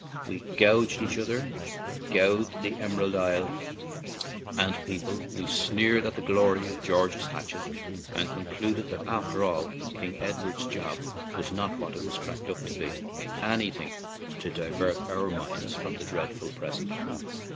We guyed each other, guyed the Emerald Isle and its people; we sneered at the story of George's hatchet, and concluded that, after all, King Edward's job was not what it was cracked up to be — anything to 8 9 ON AN IRISH JAUNTING CAR divert our minds from the dreadful pres ent.